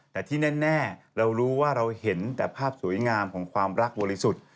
แต่ที่แน่เรารู้ว่าเราเห็นแต่ภาพสวยงามของความรักบริสุทธิ์